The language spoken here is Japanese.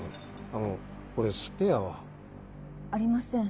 あのこれスペアは？ありません。